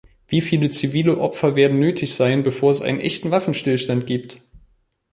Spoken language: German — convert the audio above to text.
Wie viele zivile Opfer werden nötig sein, bevor es einen echten Waffenstillstand gibt?